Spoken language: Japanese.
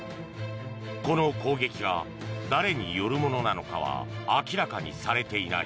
この攻撃が誰によるものなのかは明らかにされていない。